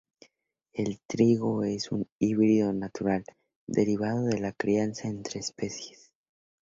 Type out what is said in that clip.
El trigo es un híbrido natural derivado de la crianza entre especies.